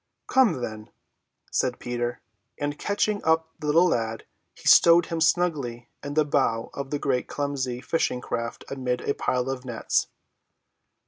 "Come, then," said Peter, and, catching up the little lad, he stowed him snugly in the bow of the great clumsy fishing‐craft amid a pile of nets.